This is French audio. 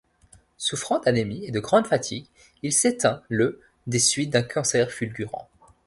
Souffrant d’anémie et de grande fatigue, il s’éteint le des suites d’un cancer fulgurant.